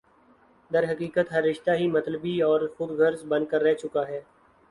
درحقیقت ہر رشتہ ہی مطلبی اور خودغرض بن کر رہ چکا ہے